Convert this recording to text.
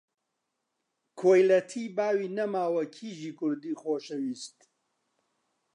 کۆیلەتی باوی نەماوە، کیژی کوردی خۆشەویست!